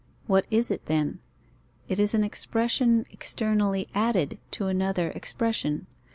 What is it, then? It is an expression externally added to another expression.